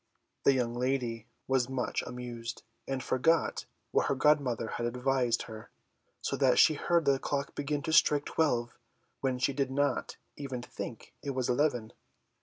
The young lady was much amused, and forgot what her godmother had advised her, so that she heard the clock begin to strike twelve when she did not even think it was eleven.